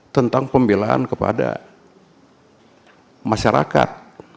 tentang pembelaan kepada masyarakat